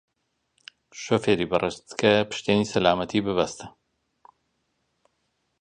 گوو بەڕیش بابی لە کن خۆی ئەمیش ئەولادی هەیە